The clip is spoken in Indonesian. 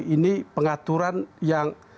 ini pengaturan yang